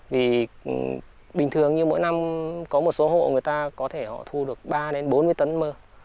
vì bình thường như mỗi năm có một số hộ người ta có thể họ thu được ba bốn mươi tấn mơ